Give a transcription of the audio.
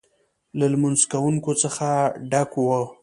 له لمونځ کوونکو څخه ډک و.